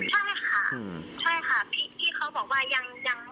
ใช่ค่ะใช่ค่ะที่เขาบอกว่ายังไม่โดนค่ะ